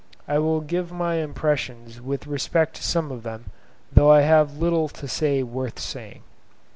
I will give my impressions with respect to some of them, though I have little to say worth saying.